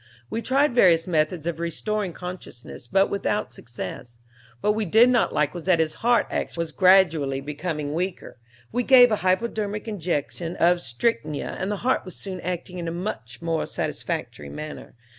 We tried various methods of restoring consciousness, but without success. What we did not like was that his heart action was gradually becoming weaker. We gave a hypodermic injection of strychnia, and the heart was soon acting in a much more satisfactory manner.